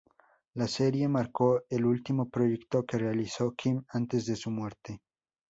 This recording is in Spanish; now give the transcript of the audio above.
La serie marcó el último proyecto que realizó Kim antes de su muerte.